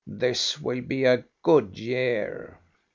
This will be a good year.